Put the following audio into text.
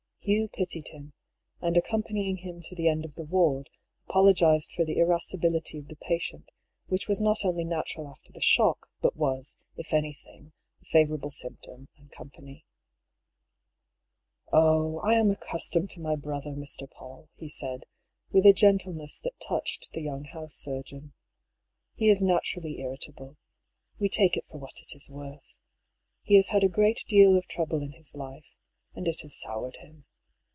Hugh pitied him, and accompanying him to the end of the ward apologised for the irascibility of the patient, which was not only natural after the shock, but was, if anything, a favorable symptom, &c. " Oh ! I am accustomed to my brother, Mr. PauU," he said, with a gentleness that touched the young house surgeon. "He is naturally irritable. We take it for what it is worth. He has had a great deal of trouble in his life, and it has soured him.